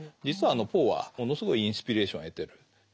実はポーはものすごいインスピレーションを得てる。